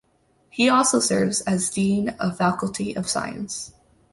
He also serves as Dean of faculty of science.